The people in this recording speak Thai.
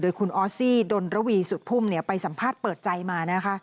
คุณออสซี่ดนระวีสุดพุ่มไปสัมภาษณ์เปิดใจมานะคะ